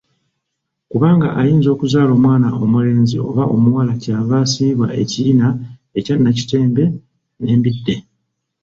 Kubanga ayinza okuzaala omwana omulenzi oba omuwala kyava asibibwa ekiyina ekya nakitembe n'embidde.